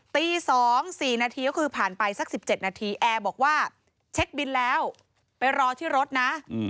ตี๒๔นาทีก็คือผ่านไปสัก๑๗นาทีแอร์บอกว่าเช็คบินแล้วไปรอที่รถนะ